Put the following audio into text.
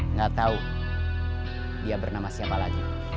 nggak tahu dia bernama siapa lagi